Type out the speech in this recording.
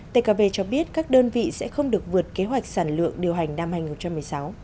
tkv cho biết các đơn vị sẽ không được vượt kế hoạch sản lượng điều hành năm hai nghìn một mươi sáu